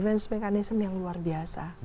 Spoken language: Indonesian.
memang ada defense mechanism yang luar biasa